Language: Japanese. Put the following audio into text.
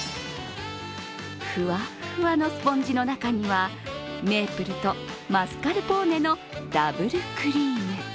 ふわふわのスポンジの中にはメープルとマスカルポーネのダブルクリーム。